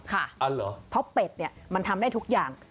เพราะเป็ดมันทำได้ทุกอย่าง